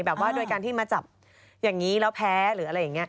แบบว่าโดยการที่มาจับอย่างนี้แล้วแพ้หรืออะไรอย่างนี้